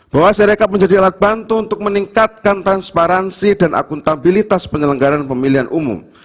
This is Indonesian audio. bahwa sirekap menjadi alat bantu untuk meningkatkan transparansi dan akuntabilitas penyelenggaran pemilihan umum